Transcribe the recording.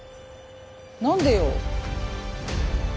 何でよ！